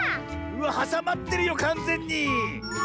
はさまってるよかんぜんに！